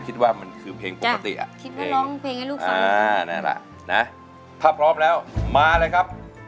คิดว่ามันคือเพลงปกติอะเองนะครับนะถ้าพร้อมแล้วมาเลยครับ